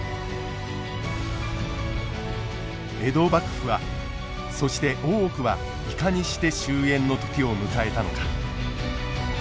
江戸幕府はそして大奥はいかにして終えんの時を迎えたのか。